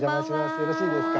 よろしいですか？